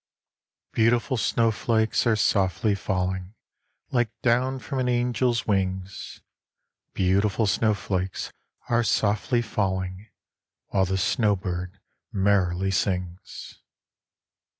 Beautiful snowflakes are softly falling Like down from an angel's wings, Beautiful snowflakes are softly falling While the snow bird merrily sings.